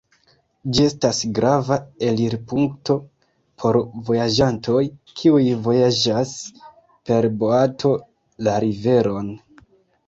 Ĝi estas grava elirpunkto por vojaĝantoj, kiuj vojaĝas per boato la riveron.